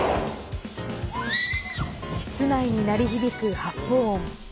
室内に鳴り響く発砲音。